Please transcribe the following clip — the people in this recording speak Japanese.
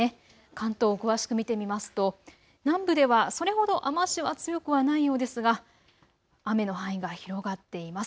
関東を詳しく見てみますと南部ではそれほど雨足は強くはないようですが、雨の範囲が広がっています。